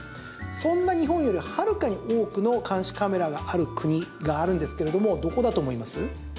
そんな日本よりはるかに多くの監視カメラがある国があるんですけどもどこだと思います？